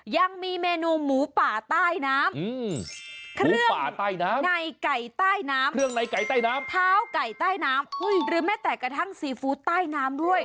ยังมีเมนูหมูป่าใต้น้ำเครื่องในไก่ใต้น้ำพร้าวไก่ใต้น้ำหรือแม่แตกกระทั่งซีฟู้ใต้น้ำด้วย